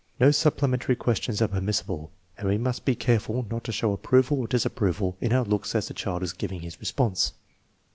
No supplementary questions are permissible, and we must be careful not to show approval or disapproval in our looks as the child is giving his response.